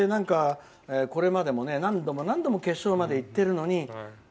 これまでも何度も決勝まで行っているのに。